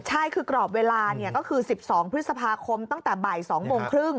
ใช่คือกรอบเวลาก็คือ๑๒พฤษภาคมตั้งแต่บ่าย๒โมงครึ่ง